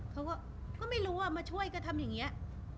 เขาก็ไม่รู้ว่ามาช่วยก็ทำอย่างนี้